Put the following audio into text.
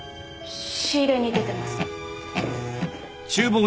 仕入れに出てます。